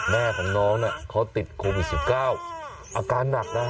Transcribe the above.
เบื้องต้น๑๕๐๐๐และยังต้องมีค่าสับประโลยีอีกนะครับเบื้องต้น๑๕๐๐๐และยังต้องมีค่าสับประโลยีอีกนะครับ